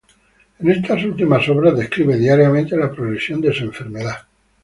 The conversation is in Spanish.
En estas últimas obras describe diariamente la progresión de su enfermedad.